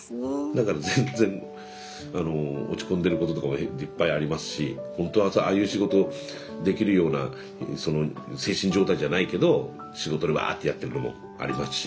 だから全然あの落ち込んでることとかもいっぱいありますしほんとはさああいう仕事できるようなその精神状態じゃないけど仕事でワーッてやってるのもありますし。